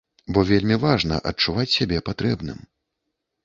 Бо вельмі важна адчуваць сябе патрэбным.